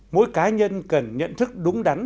mỗi cá nhân cần nhận thức đúng đắn